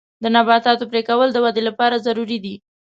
د نباتاتو پرې کول د ودې لپاره ضروري دي.